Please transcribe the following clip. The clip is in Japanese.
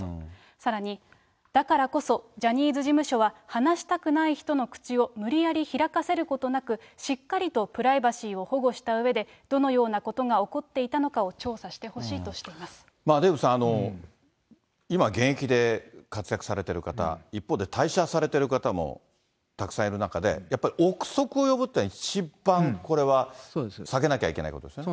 さらに、だからこそ、ジャニーズ事務所は話したくない人の口を無理やり開かせることなく、しっかりとプライバシーを保護したうえで、どのようなことが起こっていたのかを調査してほしいと話していまデーブさん、今現役で活躍されてる方、一方で退社されている方もたくさんいる中で、やっぱり臆測を呼ぶというのは、一番これは避けなきゃいけないことですよね。